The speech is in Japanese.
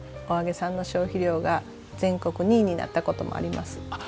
お揚げさんの消費量が全国２位になったこともあります。